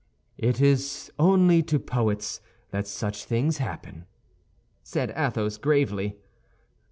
"It is only to poets that such things happen," said Athos, gravely.